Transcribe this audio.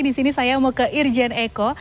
di sini saya mau ke irjen eko